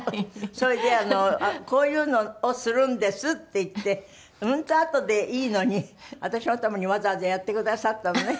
それで「こういうのをするんです」って言ってうんとあとでいいのに私のためにわざわざやってくださったのね。